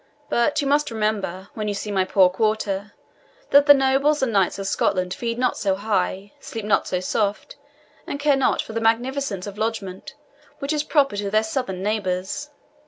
But you must remember, when you see my poor quarter, that the nobles and knights of Scotland feed not so high, sleep not so soft, and care not for the magnificence of lodgment which is Proper to their southern neighbours.